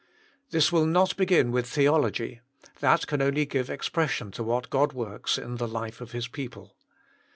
This will not begin with theology ; that can only give expression to what God works in the life of His people.